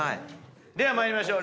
では参りましょう。